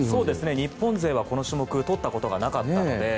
日本勢はこの種目取ったことがなかったので。